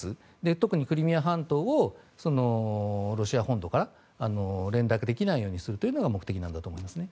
特にクリミア半島をロシア本土から連絡できないようにするのが目的なんだと思いますね。